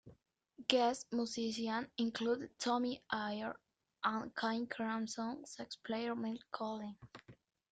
Guest musicians included Tommy Eyre and King Crimson sax player Mel Collins.